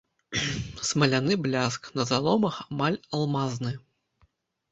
Смаляны бляск, на заломах амаль алмазны.